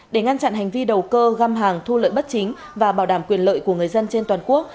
để ngăn chặn hành vi đầu cơ găm hàng thu lợi bất chính và bảo đảm quyền lợi của người dân trên toàn quốc